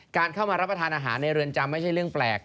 การเข้ามารับประทานอาหารในเรือนจำไม่ใช่เรื่องแปลก